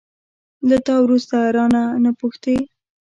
له تا وروسته، رانه، نه پوښتي